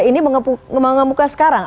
ini mengemukah sekarang